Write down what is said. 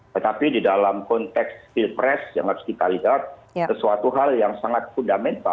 tetapi di dalam konteks pilpres yang harus kita lihat sesuatu hal yang sangat fundamental